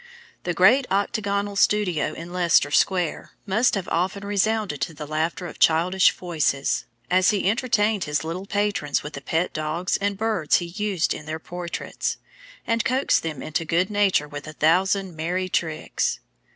The great octagonal studio in Leicester Square must have often resounded to the laughter of childish voices, as he entertained his little patrons with the pet dogs and birds he used in their portraits, and coaxed them into good nature with a thousand merry tricks.